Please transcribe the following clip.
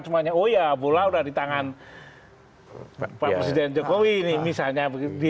semuanya oh ya bola udah di tangan pak presiden jokowi ini misalnya